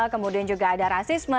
kemudian juga ada rasisme